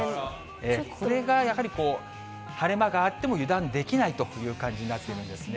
これがやはりこう、晴れ間があっても油断できないという感じになっているんですね。